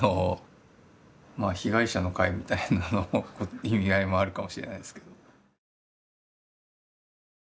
まあ被害者の会みたいな意味合いもあるかもしれないですけど。